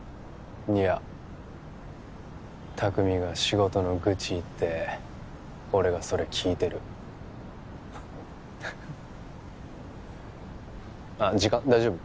いや拓海が仕事のグチ言って俺がそれ聞いてるあっ時間大丈夫？